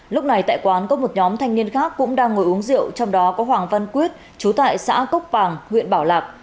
lúc này tại quán có một nhóm thanh niên khác cũng đang ngồi uống rượu trong đó có hoàng văn quyết chú tại xã cốc pàng huyện bảo lạc